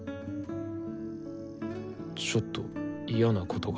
ちょっと嫌なことがあって。